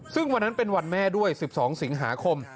ซึ่งวันนั้นเป็นวันแม่ด้วย๑๒สิงหาคม